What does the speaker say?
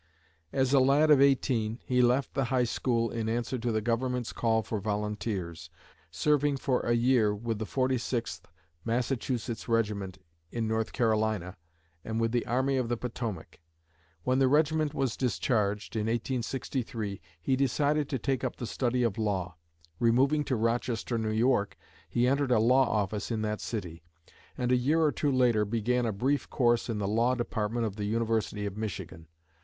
As a lad of eighteen, he left the high school in answer to the government's call for volunteers, serving for a year with the 46th Massachusetts Regiment in North Carolina and with the Army of the Potomac. When the regiment was discharged, in 1863, he decided to take up the study of law. Removing to Rochester, N.Y., he entered a law office in that city; and a year or two later began a brief course in the law department of the University of Michigan.